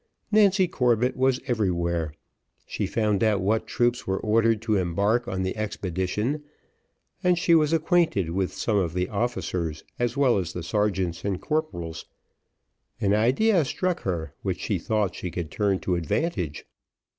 Nancy Corbett was everywhere, she found out what troops were ordered to embark on the expedition, and she was acquainted with some of the officers, as well as the sergeants and corporals; an idea struck her which she thought she could turn to advantage.